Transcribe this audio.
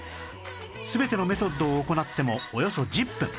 全てのメソッドを行ってもおよそ１０分